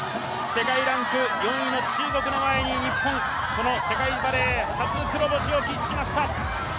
世界ランク４位の中国の前に日本この世界バレー、初黒星を喫しました。